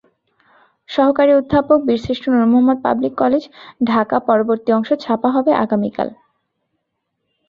সহকারী অধ্যাপক, বীরশ্রেষ্ঠ নূর মোহাম্মদ পাবলিক কলেজ, ঢাকাপরবর্তী অংশ ছাপা হবে আগামীকাল।